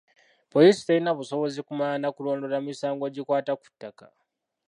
Poliisi terina busobozi kumanya na kulondoola misango gikwata ku ttaka.